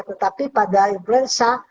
tetapi pada influenza